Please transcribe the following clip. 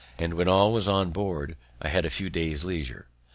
and, when all was on board, I had a few days' leisure.